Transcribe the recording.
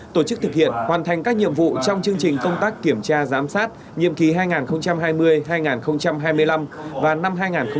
tổ chức thực hiện hoàn thành các nhiệm vụ trong chương trình công tác kiểm tra giám sát nhiệm kỳ hai nghìn hai mươi hai nghìn hai mươi năm và năm hai nghìn hai mươi sáu